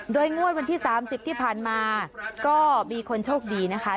โดยงวดวันที่๓๐ที่ผ่านมาก็มีคนโชคดีนะคะ